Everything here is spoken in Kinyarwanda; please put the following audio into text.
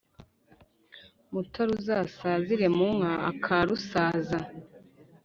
mutara uzasazire mu nka aka rusaza*,